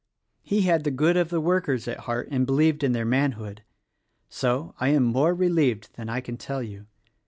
He had the good of the workers at heart and believed in their manhood. So, I am more relieved than I can tell you.